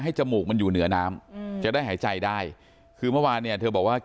จมูกมันอยู่เหนือน้ำอืมจะได้หายใจได้คือเมื่อวานเนี่ยเธอบอกว่า